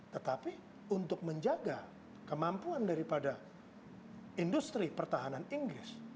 tetapi untuk menjaga kemampuan daripada industri pertahanan inggris